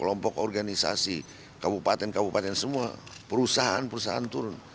kelompok organisasi kabupaten kabupaten semua perusahaan perusahaan turun